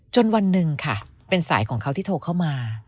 วันหนึ่งค่ะเป็นสายของเขาที่โทรเข้ามา